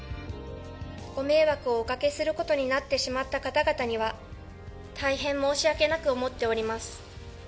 ご迷惑をおかけすることになってしまった方々には、大変申し訳なく思っております。